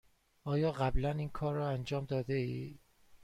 آیا قبلا این را انجام داده ای؟